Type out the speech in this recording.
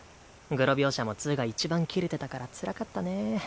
グロ描写も「２」がいちばんキレてたからつらかったねぇ。